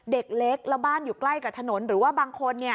เด็กเล็กแล้วบ้านอยู่ใกล้กับถนนหรือว่าบางคน